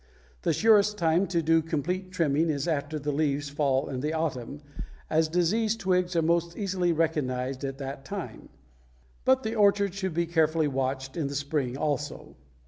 The surest time to do complete trimming is after the leaves fall in the autumn, as diseased twigs are most easily recognized at that time, but the orchard should be carefully watched in the spring also.